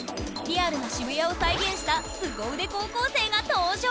リアルな渋谷を再現したスゴ腕高校生が登場！